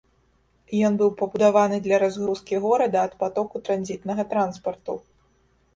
Ён быў пабудаваны для разгрузкі горада ад патоку транзітнага транспарту.